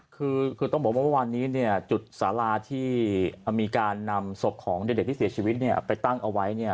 คือต้องบอกว่าเมื่อวานนี้จุดสาราที่มีการนำศพของเด็กที่เสียชีวิตไปตั้งเอาไว้เนี่ย